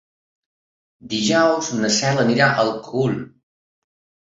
Dijous na Cel anirà al Cogul.